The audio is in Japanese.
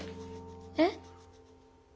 えっ？